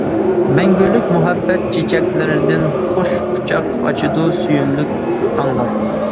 مەڭگۈلۈك مۇھەببەت چېچەكلىرىدىن خۇش قۇچاق ئاچىدۇ سۆيۈملۈك تاڭلار.